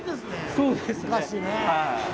そうですね。